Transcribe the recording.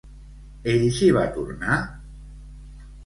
Ell s'hi va tornar?